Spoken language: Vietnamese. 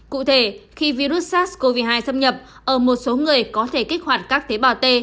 cụ thể khi virus sars cov hai xâm nhập ở một số người có thể kích hoạt các tế bào t